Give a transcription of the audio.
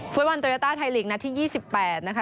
ฟุตบอลโตยาต้าไทยลีกนัดที่๒๘นะคะ